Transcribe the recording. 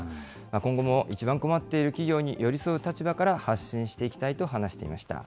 今後も一番困っている企業に寄り添う立場から発信していきたいと話していました。